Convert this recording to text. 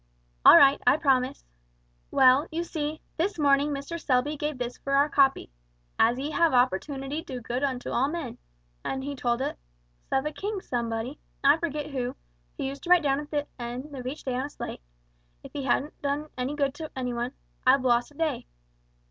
"All right, I promise." "Well, you see, this morning Mr. Selby gave us this for our copy: 'As ye have opportunity do good unto all men,' and he told us of a King somebody I forget who who used to write down at the end of each day on a slate, if he hadn't done any good to any one, 'I've lost a day.'